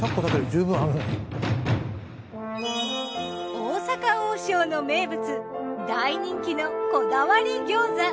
大阪王将の名物大人気のこだわり餃子。